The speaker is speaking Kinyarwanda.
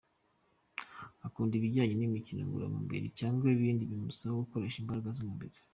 Akunda ibijyanye n’imikino ngororamubiri cyangwa ibindi bimusaba gukoresha imbaraga z’umubiri.